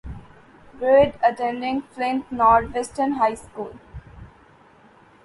Byrd attended Flint Northwestern High School.